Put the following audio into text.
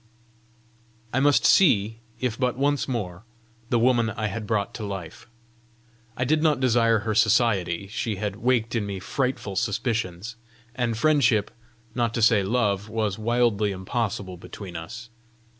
I must see, if but once more, the woman I had brought to life! I did not desire her society: she had waked in me frightful suspicions; and friendship, not to say love, was wildly impossible between us!